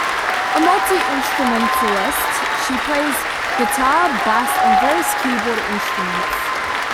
A multi-instrumentalist, she plays guitar, bass and various keyboard instruments.